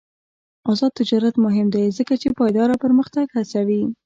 آزاد تجارت مهم دی ځکه چې پایداره پرمختګ هڅوي.